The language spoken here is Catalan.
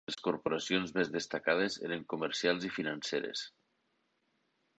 Les corporacions més destacades eren comercials i financeres.